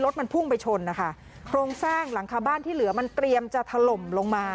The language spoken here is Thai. รถมันพุ่งไปชนนะคะโครงสร้างหลังคาบ้านที่เหลือมันเตรียมจะถล่มลงมา